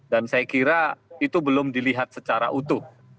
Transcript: dan saya kira itu belum dilihat secara utuh